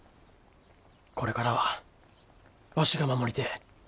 これからはわしが守りてえ。